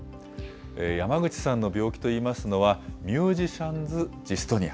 山口さんの病気といいますのは、ミュージシャンズ・ジストニア。